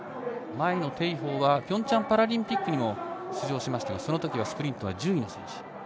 鄭鵬はピョンチャンパラリンピックにも出場しましたが、そのときスプリントは１０位の選手。